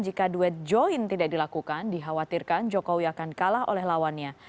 jika duet join tidak dilakukan dikhawatirkan jokowi akan kalah oleh lawannya